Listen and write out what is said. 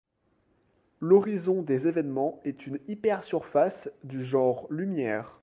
L'horizon des évènements est une hypersurface du genre lumière.